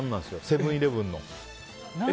セブン‐イレブンの。